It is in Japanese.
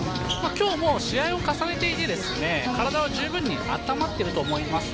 今日、試合を重ねていて体はじゅうぶんに温まっていると思います。